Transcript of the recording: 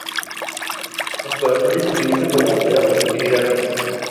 Los corazones se utilizan como moneda para adquirir armas.